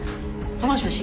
もしもし？